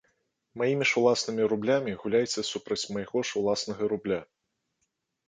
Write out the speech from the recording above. Маімі ж уласнымі рублямі гуляеце супраць майго ж уласнага рубля.